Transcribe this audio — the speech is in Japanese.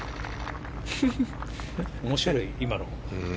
面白いな、今の。